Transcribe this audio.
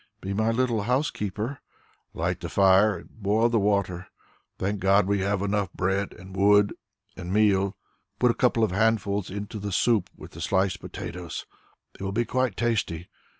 Be my little housekeeper. Light the fire and boil the water. Thank God we have enough bread and wood and meal. Put a couple of handfuls into the soup with sliced potatoes; it will be quite tasty.